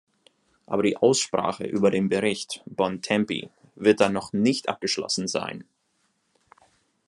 Aber die Aussprache über den Bericht Bontempi wird dann noch nicht abgeschlossen sein.